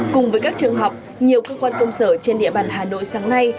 cùng với các trường học nhiều cơ quan công sở trên địa bàn hà nội sáng nay